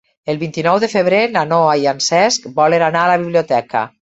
El vint-i-nou de febrer na Noa i en Cesc volen anar a la biblioteca.